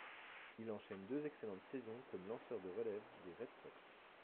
Il enchaîne deux excellentes saisons comme lanceur de relève des Red Sox.